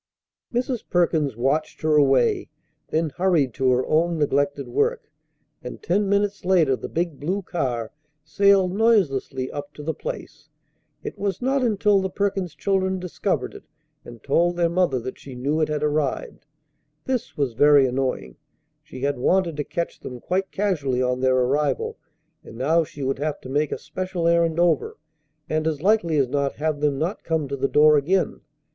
Mrs. Perkins watched her away, then hurried to her own neglected work; and ten minutes later the big blue car sailed noiselessly up to the place. It was not until the Perkins children discovered it and told their mother that she knew it had arrived. This was very annoying. She had wanted to catch them quite casually on their arrival, and now she would have to make a special errand over, and as likely as not have them not come to the door again.